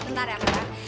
ntar ya mbak